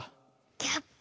キャップ。